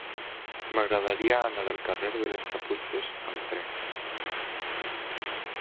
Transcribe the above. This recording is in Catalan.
M'agradaria anar al carrer de les Caputxes amb tren.